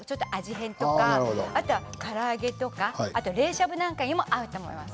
変とかから揚げとか冷しゃぶにも合うと思います。